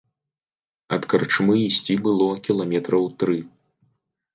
Ад карчмы ісці было кіламетраў тры.